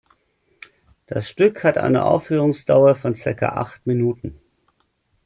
Das Stück hat eine Aufführungsdauer von zirka acht Minuten.